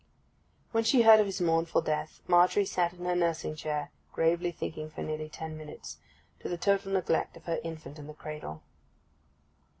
When she heard of his mournful death Margery sat in her nursing chair, gravely thinking for nearly ten minutes, to the total neglect of her infant in the cradle.